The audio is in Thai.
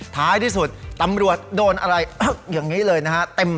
ท้ายที่สุดตำรวจโดนอะไรอย่างนี้เลยนะฮะ